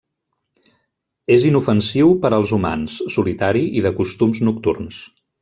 És inofensiu per als humans, solitari i de costums nocturns.